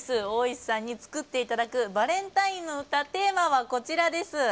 オーイシさんに作っていただくバレンタインの歌テーマは、こちらです。